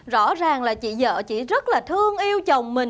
rõ ràng là chị vợ chị rất là thương yêu chồng mình